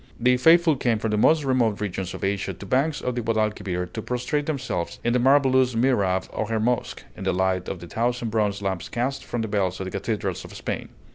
The faithful came from the most remote regions of Asia to banks of the Guadalquivir to prostrate themselves in the marvelous Mihrab of her mosque, in the light of the thousand bronze lamps cast from the bells of the cathedrals of Spain.